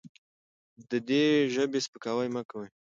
د دې ژبې سپکاوی مه کوئ.